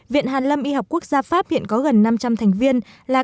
viện hàn lâm y học quốc gia pháp hiện có gần năm trăm linh thành viên là các nhà khoa học uy tín